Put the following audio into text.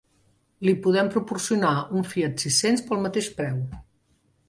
Li podem proporcionar un Fiat sis-cents pel mateix preu.